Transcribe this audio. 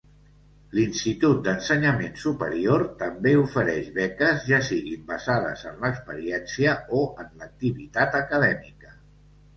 L'institut d'ensenyament superior també ofereix beques, ja siguin basades en l'experiència o en l'activitat acadèmica.